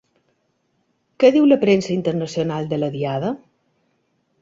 Què diu la premsa internacional de la Diada?